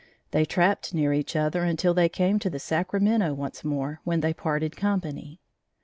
They trapped near each other until they came to the Sacramento once more, when they parted company.